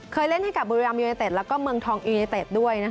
เล่นให้กับบุรีรัมยูเนเต็ดแล้วก็เมืองทองยูเนเต็ดด้วย